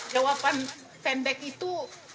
jawaban pendek itu